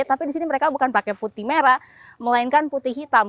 tapi di sini mereka bukan pakai putih merah melainkan putih hitam